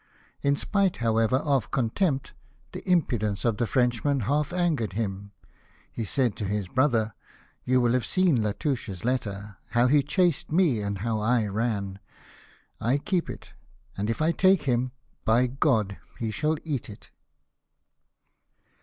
In spite, however, of contempt, the impudence of this Frenchman half angered him. He said to his brother :" You will have seen Latouche's letter ; how he chased me, and how I ran. I keep it, and if I take him, by God he shall eat it."